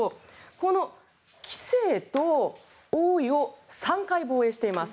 この棋聖と王位を３回防衛しています。